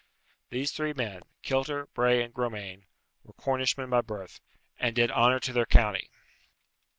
These three men, Kilter, Bray, and Gromane, were Cornishmen by birth, and did honour to their county.